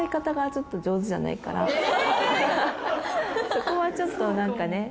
そこはちょっと何かね